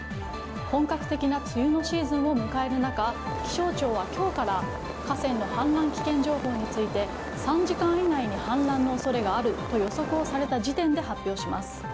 本格的な梅雨のシーズンを迎える中気象庁は今日から河川の氾濫危険情報について３時間以内に氾濫の恐れがあると予測された時点で発表します。